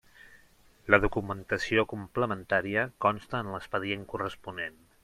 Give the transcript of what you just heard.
La documentació complementària consta en l'expedient corresponent.